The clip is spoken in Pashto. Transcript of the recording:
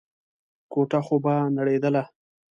کوټه خو به نړېدله.